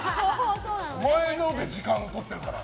お前ので時間とってるから。